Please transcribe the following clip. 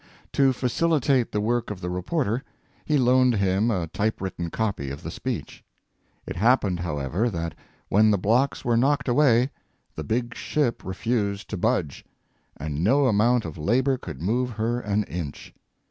To facilitate the work of the reporter he loaned him a typewritten copy of the speech. It happened, however, that when the blocks were knocked away the big ship refused to budge, and no amount of labor could move her an inch.